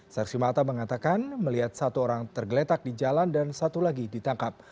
saksi mata mengatakan melihat satu orang tergeletak di jalan dan satu lagi ditangkap